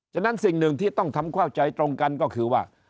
ฉะนั้นสิ่งหนึ่งที่ต้องทำเข้าใจตรงกันก็คือว่า